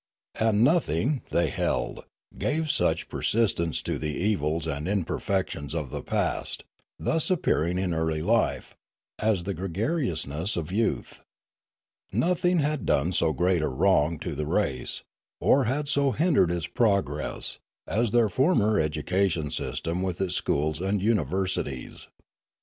And nothing, they held, gave such persistence to the evils and imperfections of the past, thus appearing in early life, as the gregariousness of youth. Nothing had done so great a wrong to the race, or had so hindered its progress, as their former education system with its schools and universities.